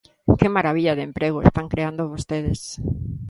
¡Que marabilla de emprego están creando vostedes!